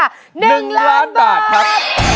หนึ่งล้านบาทครับ